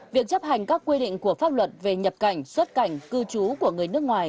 việc chấp hành các quy định của pháp luật về nhập cảnh xuất cảnh cư trú của người nước ngoài